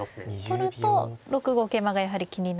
取ると６五桂馬がやはり気になるので。